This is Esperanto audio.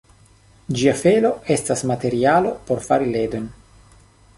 Ĝia felo estas materialo por fari ledon.